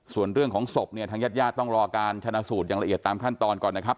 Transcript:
ส่วนเรื่องของศพเนี่ยทางญาติญาติต้องรอการชนะสูตรอย่างละเอียดตามขั้นตอนก่อนนะครับ